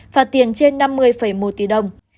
phạt tiền trên năm mươi một tỷ đồng